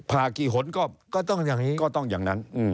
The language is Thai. ผ่ากี่หนก็ต้องอย่างนั้น